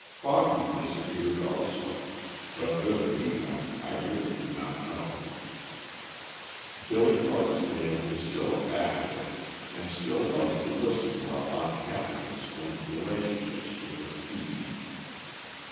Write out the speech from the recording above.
Foggy disappeared also, but whither he went I really do not know. Billy Barksdale is still a bachelor, and still likes to listen while Aunt Catherine explains relationships with her keys.